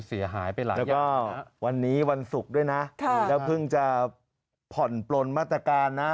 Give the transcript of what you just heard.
แล้วก็วันนี้วันศุกร์ด้วยนะและพึ่งจะผ่อนปลนมาตรการนะ